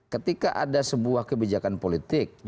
ketika ada sebuah kebijakan politik